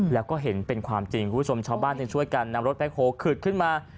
แล้วก็เห็นเป็นความจริงคุณผู้ชมชาวบ้านยังช่วยกันนำรถแคคโฮลขึดขึ้นมา